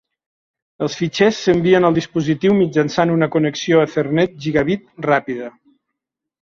Els fitxers s'envien al dispositiu mitjançant una connexió Ethernet gigabit ràpida.